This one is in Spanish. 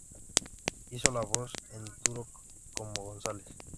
Hizo la voz en "Turok" como Gonzáles.